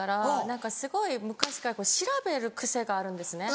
何かすごい昔から調べる癖があるんですね。